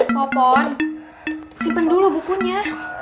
popon simpen dulu bukunya